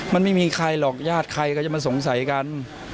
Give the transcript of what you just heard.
มันไม่มีใครหรอกญาติใครก็จะมาสงสัยกัน